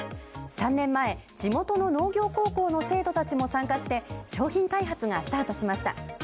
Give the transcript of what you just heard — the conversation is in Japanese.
３年前、地元の農業高校の生徒たちも参加して商品開発がスタートしました。